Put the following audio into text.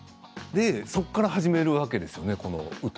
そこから始めるわけですよね